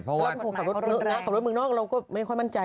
เพราะว่าผมขับรถมึงนอกเราก็ไม่ค่อยมั่นใจ